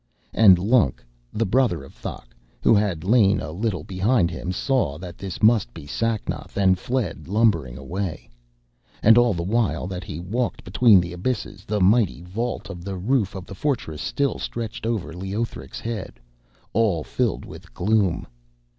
And Lunk, the brother of Thok, who had lain a little behind him, saw that this must be Sacnoth and fled lumbering away. And all the while that he walked between the abysses, the mighty vault of the roof of the fortress still stretched over Leothric's head, all filled with gloom.